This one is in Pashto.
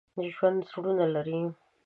ژوندي زړونه لري